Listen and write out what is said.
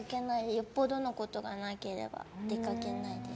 よっぽどのことがなければ出かけないです。